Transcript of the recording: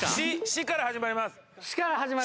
「シ」から始まります。